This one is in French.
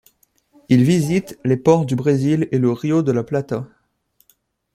Il visite les ports du Brésil et le Río de la Plata.